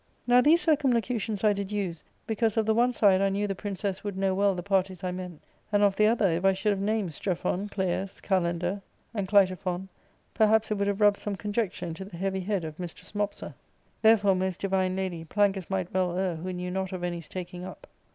Now these circumlocutions I did use, because of the one side I knew the princess would know well the parties I meant, and of the other, if I should have named Strephon, Claius, Kalander, and Clitophon, perhaps it would have rubbed some conjecture into the heavy • head of mistress Mopsa. "* Therefore, most divine lady, Plangus might well err who knew not of any's taking up.